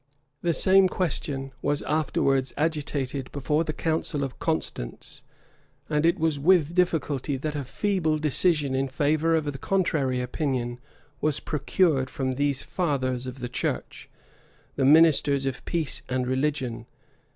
The same question was afterwards agitated before the council of Constance; and it was with difficulty that a feeble decision in favor of the contrary opinion, was procured from these fathers of the church, the ministers of peace and of religion.